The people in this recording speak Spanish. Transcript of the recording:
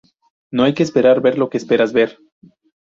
No hay que esperar ver lo que esperas ver.